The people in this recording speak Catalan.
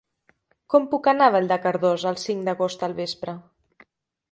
Com puc anar a Vall de Cardós el cinc d'agost al vespre?